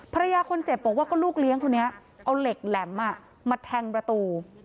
ภรรยาคนเจ็บบอกว่าก็ลูกเลี้ยงคนนี้เอาเหล็กแหลมมาแทงประตู